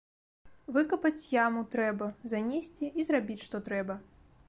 Выкапаць яму трэба, занесці і зрабіць што трэба.